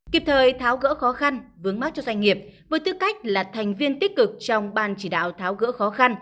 kịp thời tháo gỡ khó khăn vướng mắt cho doanh nghiệp với tư cách là thành viên tích cực trong ban chỉ đạo tháo gỡ khó khăn